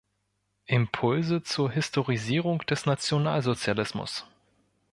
Impulse zur Historisierung des Nationalsozialismus".